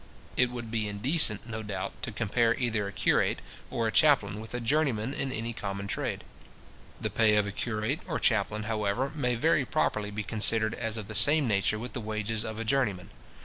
It would be indecent, no doubt, to compare either a curate or a chaplain with a journeyman in any common trade. The pay of a curate or chaplain, however, may very properly be considered as of the same nature with the wages of a journeyman.